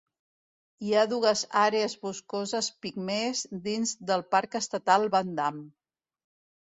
Hi ha dues àrees boscoses pigmees dins del Parc Estatal Van Damme.